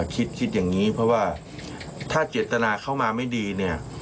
คิดคิดอย่างนี้เพราะว่าถ้าเจตนาเข้ามาไม่ดีเนี่ย